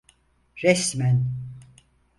Resmen.